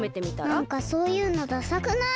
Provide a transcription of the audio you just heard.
なんかそういうのダサくない？